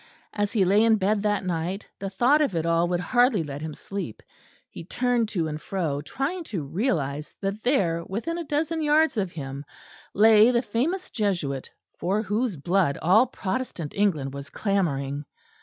As he lay in bed that night the thought of it all would hardly let him sleep. He turned to and fro, trying to realise that there, within a dozen yards of him, lay the famous Jesuit for whose blood all Protestant England was clamouring.